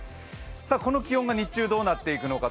この気温が日中どうなっていくのか。